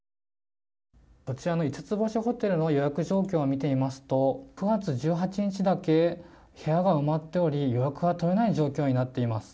こちらの５つ星ホテルの予約状況を見てみますと９月１８日だけ部屋が埋まっており予約が取れない状況になっています。